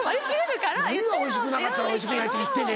何が「おいしくなかったらおいしくないって言ってね」